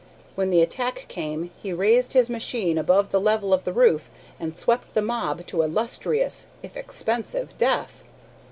When the attack came he raised this machine above the level of the roof and swept the mob to a lustrous, if expensive, death."